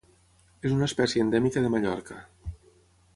És una espècie endèmica de Mallorca.